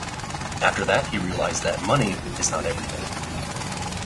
After that he realised that money is not everything!